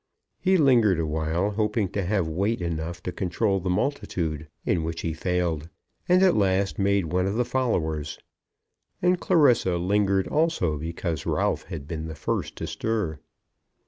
He lingered awhile, hoping to have weight enough to control the multitude; in which he failed, and at last made one of the followers. And Clarissa lingered also, because Ralph had been the first to stir.